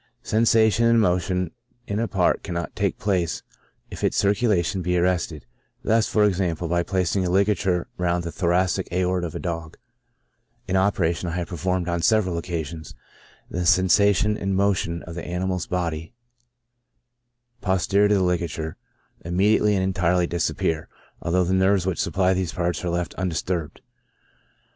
Sensation and motion in a part cannot take place if its circulation be arrested ; thus, for example, by placing a ligature round the thoracic aorta of a dog, an operation I have performed on several occasions, the sensa tion and motion of the whole of the animal's body, poste rior to the ligature, immediately and entirely disappear, although the nerves which supply these parts are left undis turbed.